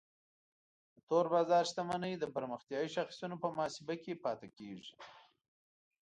د تور بازار شتمنۍ د پرمختیایي شاخصونو په محاسبه کې پاتې کیږي.